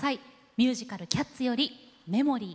ミュージカル「キャッツ」より「メモリー」。